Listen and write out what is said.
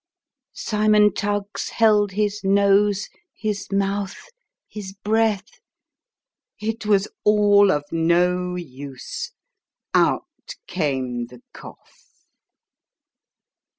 Cymon Tuggs held his nose, his mouth, his breath. It was all of no use out came the cough.